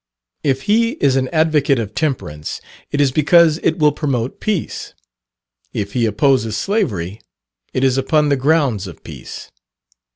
If he is an advocate of Temperance, it is because it will promote peace. If he opposes Slavery, it is upon the grounds of peace.